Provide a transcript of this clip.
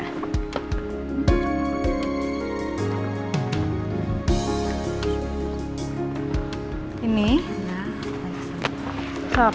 kira kira yang bagus